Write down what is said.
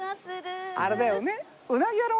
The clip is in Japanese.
あれだよね。